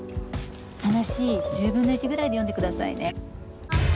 話１０分の１ぐらいで読んでくださいね。